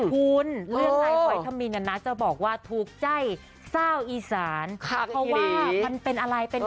คุณเรื่องนายฮอยธร์มีนนะจะบอกว่าถูกใจซ่าวอีสาน